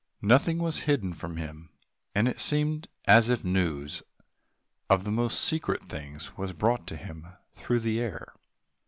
Nothing was hidden from him, and it seemed as if news of the most secret things was brought to him through the air.